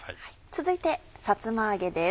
続いてさつま揚げです